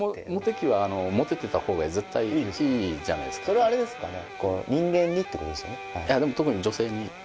それはあれですかね？